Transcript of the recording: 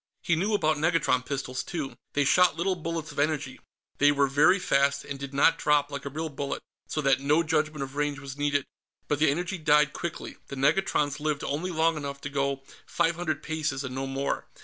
He knew about negatron pistols, too. They shot little bullets of energy; they were very fast, and did not drop, like a real bullet, so that no judgment of range was needed. But the energy died quickly; the negatrons lived only long enough to go five hundred paces and no more.